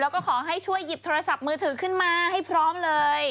แล้วก็ขอให้ช่วยหยิบโทรศัพท์มือถือขึ้นมาให้พร้อมเลย